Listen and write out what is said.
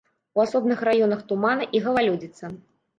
У асобных раёнах туманы і галалёдзіца.